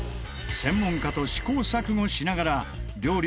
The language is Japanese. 専門家と試行錯誤しながら料理